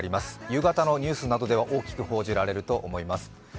夕方のニュースなどで大きく報じられると思います。